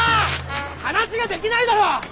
話ができないだろ！